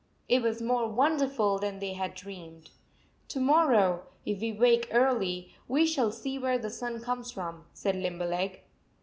It was more wonderful than they had dreamed. " To morrow, if we wake early, we shall see where the sun comes from," said Lim berleg.